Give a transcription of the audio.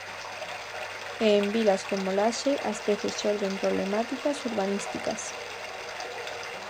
E en vilas como Laxe, ás veces xorden problemáticas urbanísticas.